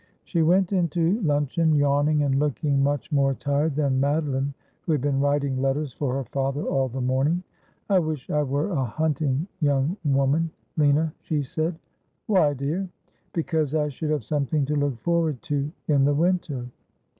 She went into luncheon yawning, and looking much more tired than Madoline, who had been writing letters for her father all the morning. ' I wish I were a hunting young woman, Lina,' she said. ' Why, dear ?'' Because I should have something to look forward to in the winter.'